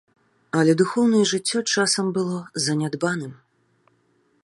Але духоўнае жыццё часам было занядбаным.